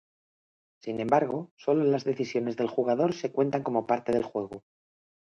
Sin embargo, solo las decisiones del jugador se cuentan como parte del juego.